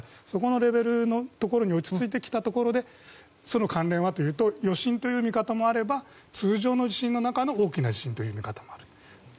そこのレベルのところに落ち着いてきたところでその関連はというと余震という見方もあれば通常の地震の中の大きな見方もあると。